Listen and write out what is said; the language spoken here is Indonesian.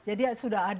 jadi sudah ada